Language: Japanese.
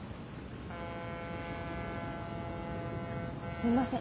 すいません。